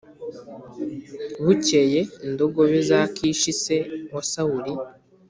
Bukeye indogobe za Kishi se wa Sawuli